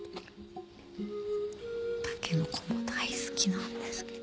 タケノコも大好きなんですけど。